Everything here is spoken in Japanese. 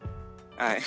はい。